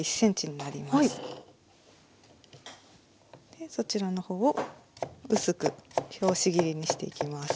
でそちらの方を薄く拍子切りにしていきます。